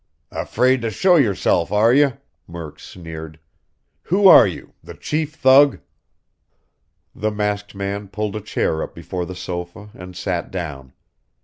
"Afraid to show yourself, are you?" Murk sneered. "Who are you the chief thug?" The masked man pulled a chair up before the sofa and sat down.